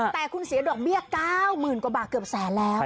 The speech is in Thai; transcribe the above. แต่คุณเสียดอกเบี้ย๙๐๐๐กว่าบาทเกือบแสนแล้ว